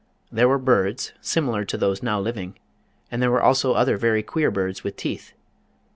There were birds, similar to those now living, and there were also other very queer birds with teeth.